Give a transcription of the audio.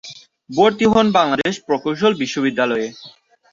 ভর্তি হন বাংলাদেশ প্রকৌশল বিশ্ববিদ্যালয়ে।